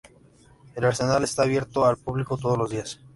El arsenal está abierto al público todos los días.